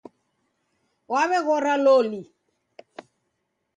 W'aweghora loli.